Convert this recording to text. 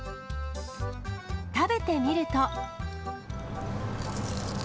食べてみると。